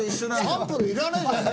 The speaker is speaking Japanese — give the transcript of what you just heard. サンプルいらないじゃない。